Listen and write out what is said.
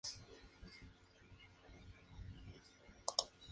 Al igual, puede descender de categoría.